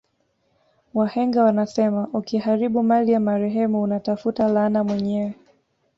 Wahenga wanasema ukiharibu mali ya marehemu una tafuta laana mwenyewe